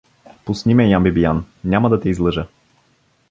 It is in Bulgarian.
— Пусни ме, Ян Бибиян, няма да те излъжа!